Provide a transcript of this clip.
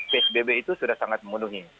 psbb itu sudah sangat memenuhi